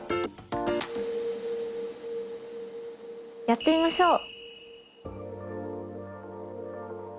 やってみましょう。